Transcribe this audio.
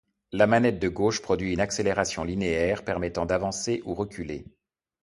La manette de gauche produit une accélération linéaire permettant d'avancer ou reculer.